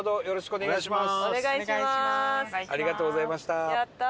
お願いします！